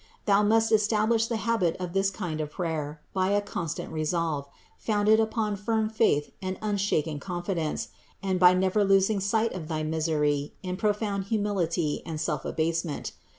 Thou must establish the habit of this kind of prayer, by a constant resolve, founded upon firm faith and unshaken confidence, and by never losing sight of thy misery in profound humility and self abasement.